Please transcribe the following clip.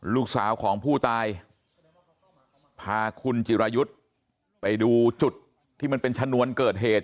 ลูกสาวของผู้ตายพาคุณจิรายุทธ์ไปดูจุดที่มันเป็นชนวนเกิดเหตุ